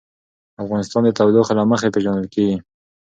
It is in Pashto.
افغانستان د تودوخه له مخې پېژندل کېږي.